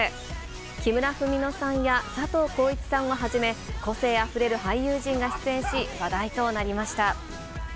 木村文乃さんや佐藤浩市さんをはじめ、個性あふれる俳優陣が出演し、話題となりました。